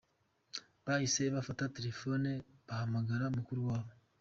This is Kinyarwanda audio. Bahise bafata telefone bahamagara mukuru wabo.